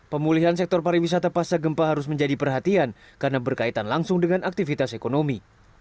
pemulihan sektor pariwisata pasca gempa harus menjadi perhatian karena berkaitan langsung dengan aktivitas ekonomi